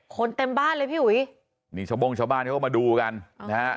เต็มบ้านเลยพี่อุ๋ยนี่ชาวโบ้งชาวบ้านเขาก็มาดูกันนะฮะ